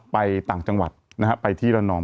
ต่างจังหวัดนะฮะไปที่ระนอง